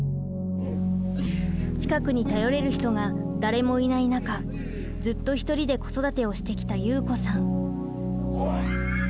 近くに頼れる人が誰もいない中ずっと１人で子育てをしてきた祐子さん。